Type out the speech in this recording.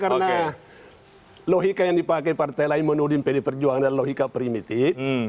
karena logika yang dipakai partai lain menuding pd perjuangan adalah logika primitif